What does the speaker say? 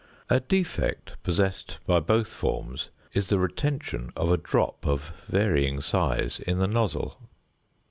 A defect possessed by both forms is the retention of a drop of varying size in the nozzle.